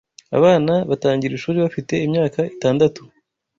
Abana batangira ishuri bafite imyaka itandatu.